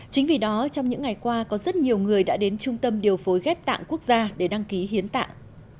chính vì đó trong những ngày qua có rất nhiều người đã đến trung tâm điều phối ghép tạng quốc gia để đăng ký hiến tạng